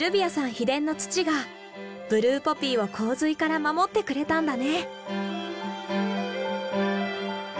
秘伝の土がブルーポピーを洪水から守ってくれたんだね。